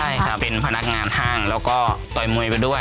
ใช่ค่ะเป็นพนักงานห้างแล้วก็ต่อยมวยไปด้วย